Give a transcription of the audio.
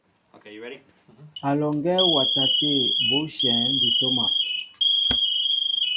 A lɔŋgɛ wɔtaté bushɛŋ di toma.